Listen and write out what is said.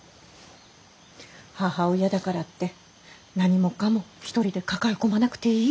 母親だからって何もかも一人で抱え込まなくていい。